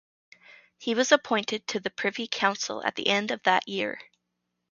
He was appointed to the Privy Council at the end of that year.